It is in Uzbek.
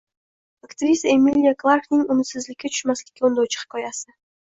Aktrisa Emiliya Klarkning umidsizlikka tushmaslikka undovchi hikoyasi